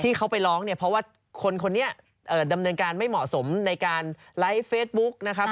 ที่เขาไปร้องเนี่ยเพราะว่าคนคนนี้ดำเนินการไม่เหมาะสมในการไลฟ์เฟซบุ๊กนะครับ